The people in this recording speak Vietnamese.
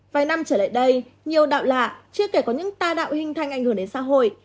vài năm trở lại đây nhiều đạo lạ chưa kể có những tà đạo hình thành ảnh hưởng đến xã hội